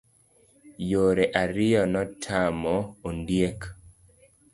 Yore ariyo notamo ondiek.